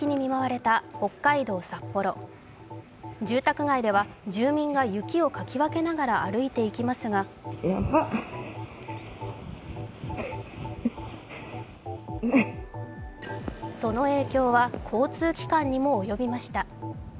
住宅街では住民が雪をかき分けながら歩いていきますがその影響は交通機関にも及びました。